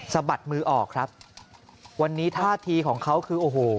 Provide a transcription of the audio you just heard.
สะบัดมือออกครับวันนี้ท่าทีของเขาคือโอ้โห